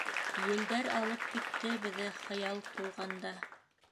Елдәр алып китте беҙҙе Хыял тулғанда.